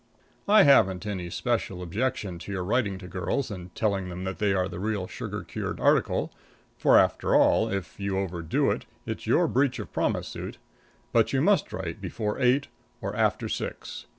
I haven't any special objection to your writing to girls and telling them that they are the real sugar cured article, for, after all, if you overdo it, it's your breach of promise suit, but you must write before eight or after six.